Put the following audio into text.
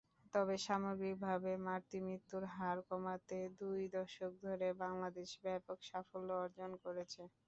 তবে সামগ্রিকভাবে মাতৃমৃত্যুর হার কমাতে দুই দশক ধরে বাংলাদেশ ব্যাপক সাফল্য অর্জন করেছে।